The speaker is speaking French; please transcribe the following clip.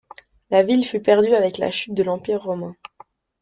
La ville fut perdue avec la chute de l'Empire romain.